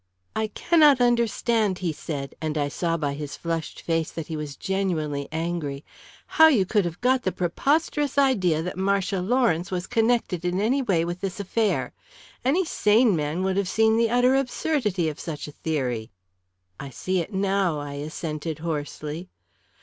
"I cannot understand," he said, and I saw by his flushed face that he was genuinely angry, "how you could have got the preposterous idea that Marcia Lawrence was connected in any way with this affair. Any sane man would have seen the utter absurdity of such a theory." "I see it now," I assented hoarsely.